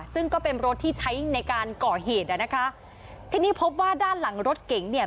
ซึ่งก็เป็นรถที่ใช้ในการก่อเหตุอ่ะนะคะทีนี้พบว่าด้านหลังรถเก๋งเนี่ย